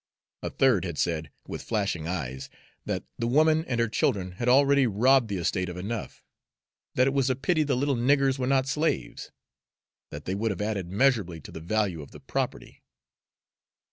A third had said, with flashing eyes, that the woman and her children had already robbed the estate of enough; that it was a pity the little niggers were not slaves that they would have added measurably to the value of the property.